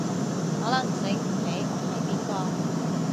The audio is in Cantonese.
可能醒唔起我係邊個